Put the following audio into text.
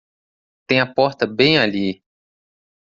Tem a porta bem ali.